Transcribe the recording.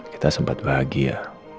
kita sempat bahagia